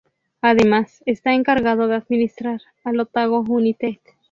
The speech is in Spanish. Además, está encargado de administrar al Otago United.